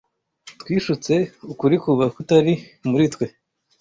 twishutse, ukuri kuba kutari muri twe